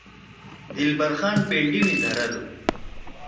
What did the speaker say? دلبر خان پنڈی می دھردُو۔